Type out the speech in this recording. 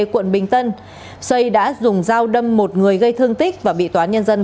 quận bình tân xây đã dùng dao đâm một người gây thương tích và bị toán nhân dân